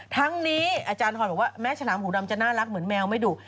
ทั้งนี้อาจารย์ฮอนบอกว่าแม้ฉลามหูดำจะน่ารักเหมือนแมวไม่ดุ